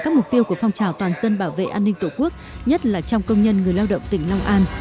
các mục tiêu của phong trào toàn dân bảo vệ an ninh tổ quốc nhất là trong công nhân người lao động tỉnh long an